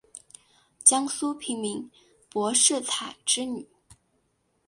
江苏平民柏士彩之女。